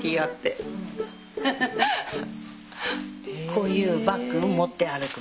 こういうバッグも持って歩く